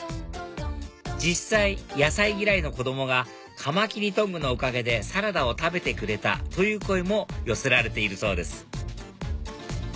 実際野菜嫌いの子供がカマキリトングのおかげでサラダを食べてくれた！という声も寄せられているそうです